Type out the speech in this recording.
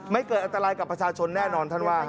เกิดอันตรายกับประชาชนแน่นอนท่านว่า